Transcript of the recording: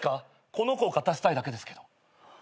この子を勝たせたいだけですけど。